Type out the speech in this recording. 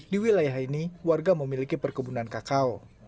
di wilayah ini warga memiliki perkebunan kakao